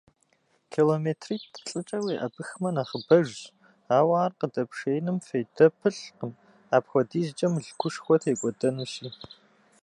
Километритӏ-плӏыкӏэ уеӏэбыхмэ нэхъыбэжщ, ауэ ар къыдэпшеиным фейдэ пылъкъым, апхуэдизкӏэ мылъкушхуэ текӏуэдэнущи.